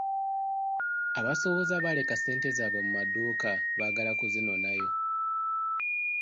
Abasuubuzi abaaleka ssente zaabwe mu maduuka baagala kuzinoonayo.